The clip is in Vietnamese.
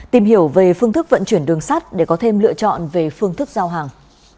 tìm hiểu về phương thức vận chuyển đường sắt để có thêm lựa chọn về phương thức giao hàng